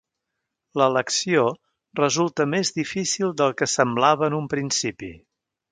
L'elecció resulta més difícil del que semblava en un principi.